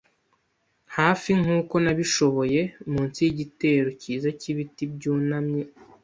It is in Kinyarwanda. hafi nkuko nabishoboye, munsi yigitero cyiza cyibiti byunamye.